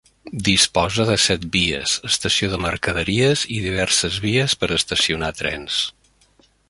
Disposa de set vies, estació de mercaderies i diverses vies per estacionar trens.